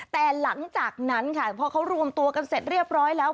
แต่หลังจากนั้นค่ะพอเขารวมตัวกันเสร็จเรียบร้อยแล้ว